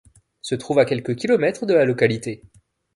Se trouve à quelques kilomètres de la localité.